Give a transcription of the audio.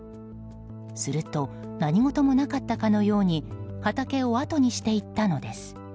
すると何事もなかったかのように畑をあとにしていったのです。